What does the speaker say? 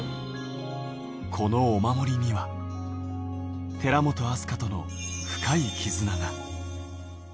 このお守りには、寺本明日香との深い絆が。